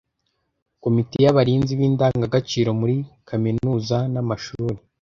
Komite y’abarinzi b’indangagaciro muri kamenuza n’amashuri